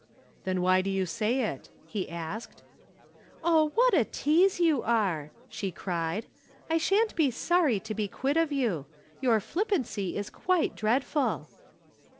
"Then why do you say it?" he asked. "Oh, what a tease you are!" she cried. "I shan't be sorry to be quit of you. Your flippancy is quite dreadful."